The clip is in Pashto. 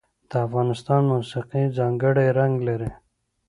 د افغانستان موسیقي ځانګړی رنګ لري.